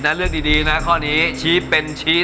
นึกว่ากำลังยืนอยู่ที่